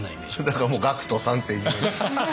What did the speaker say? だからもうＧＡＣＫＴさんっていう。